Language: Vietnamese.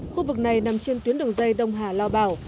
khu vực này nằm trên tuyến đường dây đông hà lao bảo